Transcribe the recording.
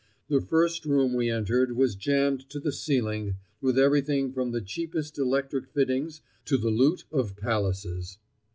The first room we entered was jammed to the ceiling with everything from the cheapest electric fittings to the loot of palaces.